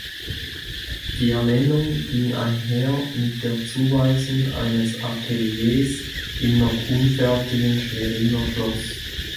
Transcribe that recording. Die Ernennung ging einher mit der Zuweisung eines Ateliers im noch unfertigen Schweriner Schloss.